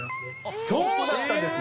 そうだったんですね。